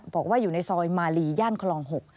บอกว่าอยู่ในซอยมาลีย่านคลอง๖